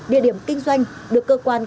địa điểm kinh doanh được cơ quan